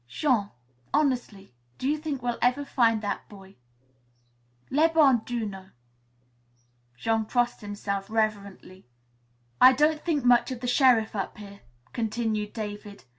"Jean, honestly, do you think we'll ever find the boy?" "Le bon Dieu know," Jean crossed himself reverently. "I don't think much of the sheriff up here," continued David.